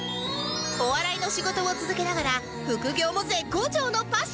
お笑いの仕事を続けながら副業も絶好調のパッション屋良さん